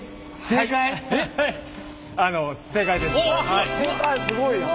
正解すごいな。